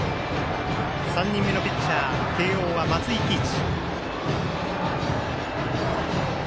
３人目のピッチャー慶応は松井喜一。